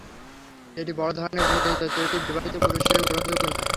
এটি বড় ধরনের ভুল, এই চরিত্রটি বিবাহিত পুরুষ হিসেবে গ্রহণযোগ্য নয়।